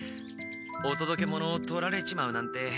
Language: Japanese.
おとどけ物をとられちまうなんて。